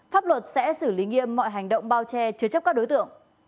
pháp luật sẽ xử lý nghiêm mọi hành động bao che chứa chấp các đối tượng